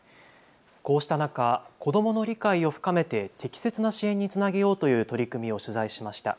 こうした中、子どもの理解を深めて適切な支援につなげようという取り組みを取材しました。